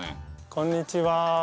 こんにちは。